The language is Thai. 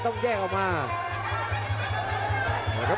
ต้องแยกออกมา